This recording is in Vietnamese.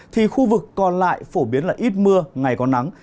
thì khu vực còn lại phổ biến là ít mưa ngày có nắng